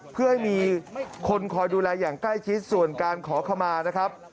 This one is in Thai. เพื่อให้มีคนคอยดูแลอย่างใกล้ชิดส่วนการขอขมานะครับ